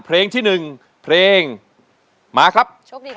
เพลงที่๑เพลงมาครับ